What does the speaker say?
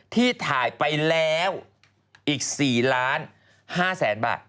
ที่ถ่ายไปแล้วอีก๔๕๐๐๐๐บาท